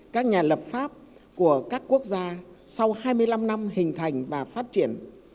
các nhà lập pháp của các quốc gia sau hai mươi năm năm hình thành và phát triển